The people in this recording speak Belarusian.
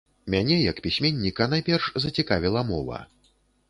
Мяне як пісьменніка найперш зацікавіла мова.